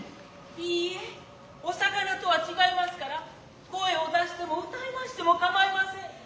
否お魚とは違ひますから声を出しても唄ひましても構ひません。